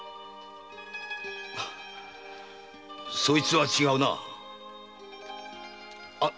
そいつは違うな。